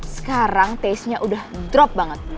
sekarang taste nya udah drop banget